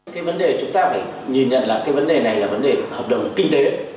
cái vấn đề chúng ta phải nhìn nhận là cái vấn đề này là vấn đề hợp đồng kinh tế